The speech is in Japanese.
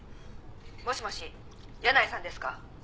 「もしもし箭内さんですか？」